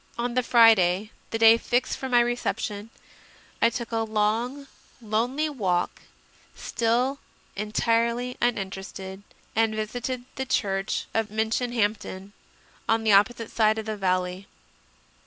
On the Friday, the day fixed for my reception, I took a long, lonely walk, still entirely uninterested, and visited the church of Minchinhampton, on the opposite side of the valley.